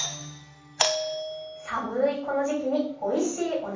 寒いこの時期においしいお鍋。